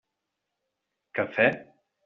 Cafè?